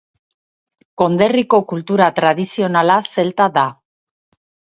Konderriko kultura tradizionala zelta da.